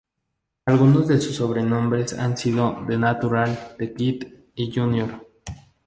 Algunos de sus sobrenombres han sido The Natural, The Kid, y Junior.